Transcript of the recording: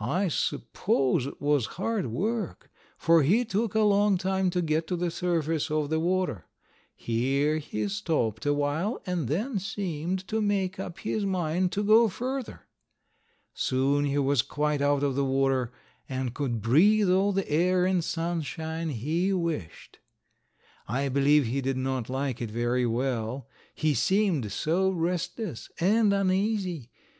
I suppose it was hard work, for he took a long time to get to the surface of the water. Here he stopped a while and then seemed to make up his mind to go further. Soon he was quite out of the water and could breathe all the air and sunshine he wished. I believe he did not like it very well. He seemed so restless and uneasy.